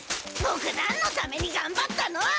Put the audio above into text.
ボク何のためにがんばったの！